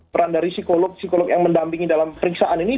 peran dari psikolog psikolog yang mendampingi dalam periksaan ini